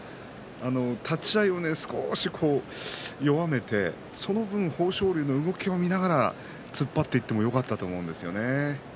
立ち合い少し弱まってその分、豊昇龍の動きを見ながら突っ張っていってもよかったと思うんですよね。